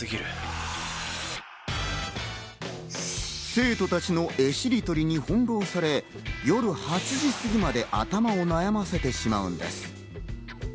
生徒たちの絵しりとりに翻弄され、夜８時過ぎまで頭を悩ませてしまうのです。